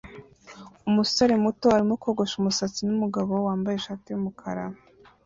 Umusore muto arimo kogosha umusatsi numugabo wambaye ishati yumukara